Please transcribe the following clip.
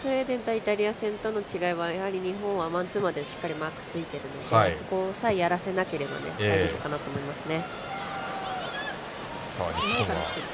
イタリア戦での違いっていうのは日本はマンツーマンでしっかりマークついてるのでそこさえやらせなければ大丈夫かなと思いますね。